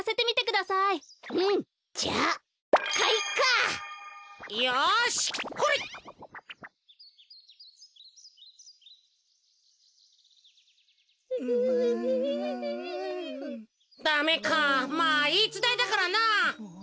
だめかまあいいつたえだからな。